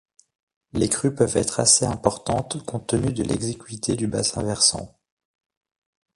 Les crues peuvent être assez importantes, compte tenu de l'exiguïté du bassin versant.